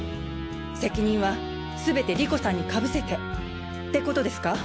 責任は全て莉子さんに被せてってことですか？